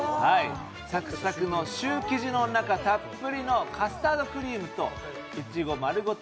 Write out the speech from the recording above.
サクサクのシュー生地の中たっぷりのカスタードクリームと、いちご丸ごと